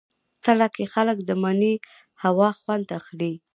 تله کې خلک د مني هوا خوند اخلي.